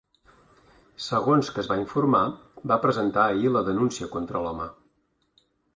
Segons que es va informar, va presentar ahir la denúncia contra l’home.